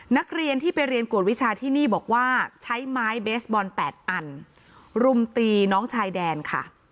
นักเรียนที่ไปเรียนกวดวิชาที่นี่บอกว่าใช้ไม้เบสบอล๘อันรุมตีน้องชายแดนค่ะ